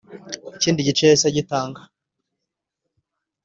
Ikindi gice yahise agitanga.